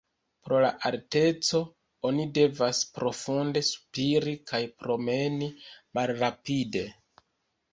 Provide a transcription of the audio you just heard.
Pro la alteco oni devas profunde spiri kaj promeni malrapide.